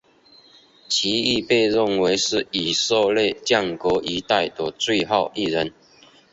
其亦被认为是以色列建国一代的最后一人。